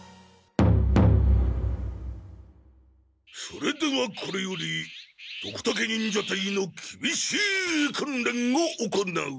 それではこれよりドクタケ忍者隊のきびしいくんれんを行う！